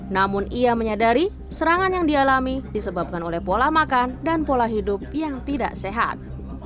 namun ia menyadari serangan yang dialami disebabkan oleh pola makan dan pola hidup yang tidak sehat